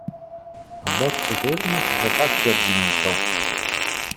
A bocce ferme si saprà chi ha vinto.